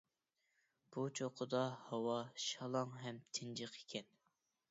بۇ چوققىدا ھاۋا شالاڭ ھەم تىنچىق ئىكەن.